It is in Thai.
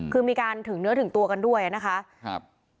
คือมีการถึงเนื้อถึงตัวกันด้วยนะคะ